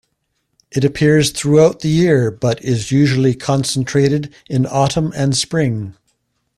It appears throughout the year but is usually concentrated in autumn and spring.